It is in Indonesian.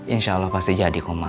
insya allah pasti jadi